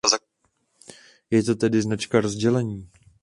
Je to tedy značka rozdělení.